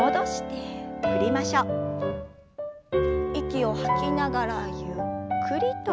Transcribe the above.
息を吐きながらゆっくりと。